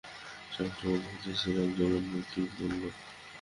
সামান্য সৌভাগ্য খুঁজছিলাম, যেমনটা রুটি বলল।